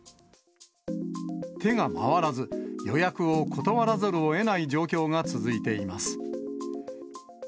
手が回らず、予約を断らざるをえない状況が続いています。